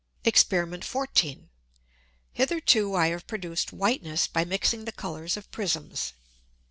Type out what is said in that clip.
Exper. 14. Hitherto I have produced Whiteness by mixing the Colours of Prisms.